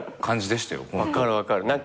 分かる分かる何か。